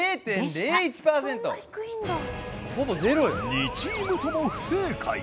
２チームとも不正解。